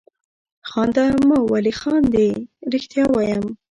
خانده مه ولې خاندې؟ رښتیا وایم.